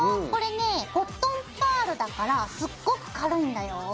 これねコットンパールだからすっごく軽いんだよ。